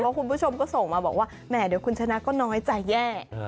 คุณผู้ชมก็ส่งมาบอกว่าแหมเดี๋ยวคุณชนะก็น้อยใจแย่